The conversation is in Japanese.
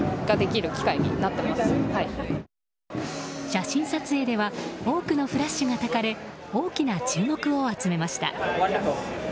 写真撮影では多くのフラッシュがたかれ大きな注目を集めました。